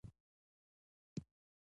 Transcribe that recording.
ستا ملګرتیا زما لپاره وياړ دی.